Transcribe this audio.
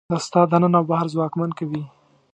دا ستا دننه او بهر ځواکمن کوي.